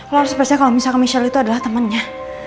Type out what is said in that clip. lo harus percaya kalo misalkan michelle itu adalah temennya